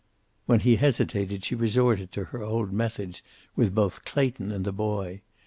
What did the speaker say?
When he hesitated she resorted to her old methods with both Clayton and the boy.